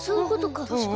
たしかに。